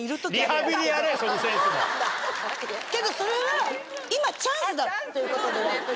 けどそれは今チャンスだっていうことで。